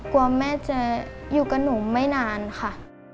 กลัวแม่จะอยู่กับหนูไม่นานค่ะ